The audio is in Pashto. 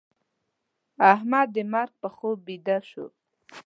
احمد د مرګ په خوب بيده شو.